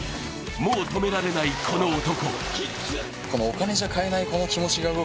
もう止められない、この男。